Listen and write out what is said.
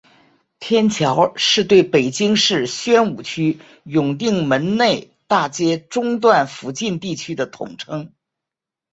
天桥是对北京市宣武区永定门内大街中段附近地区的统称。